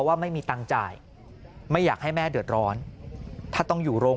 ว่าไม่มีตังค์จ่ายไม่อยากให้แม่เดือดร้อนถ้าต้องอยู่โรง